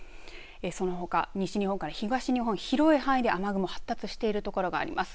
そのほか西日本から東日本、広い範囲で雨雲、発達している所があります。